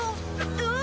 うわ！